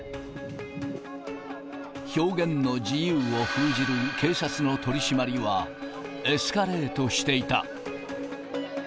表現の自由を封じる、警察の取締りはエスカレートしていた。